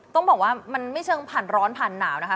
ต้องบอกว่ามันไม่เชิงผ่านร้อนผ่านหนาวนะคะ